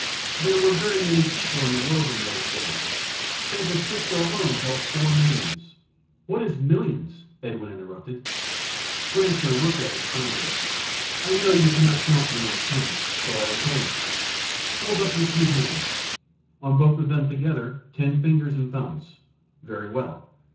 "There were very many people in the world in those days. San Francisco alone held four millions " "What is millions?" Edwin interrupted. Granser looked at him kindly. "I know you cannot count beyond ten, so I will tell you. Hold up your two hands. On both of them you have altogether ten fingers and thumbs. Very well.